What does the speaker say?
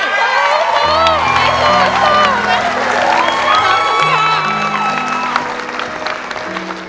นี่คือเพลงที่นี่